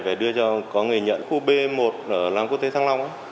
để đưa cho có người nhận khu b một ở làng quốc tế thăng long